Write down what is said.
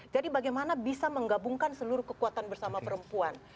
jadi bagaimana bisa menggabungkan seluruh kekuatan bersama perempuan